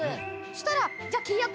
そしたら。